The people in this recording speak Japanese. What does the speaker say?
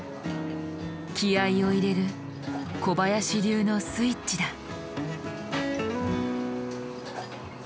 気合いを入れる小林流のスイッチだ。